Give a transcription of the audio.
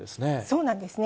そうなんですね。